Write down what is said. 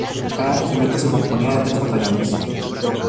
Cada Regimiento se componía de tres Batallones.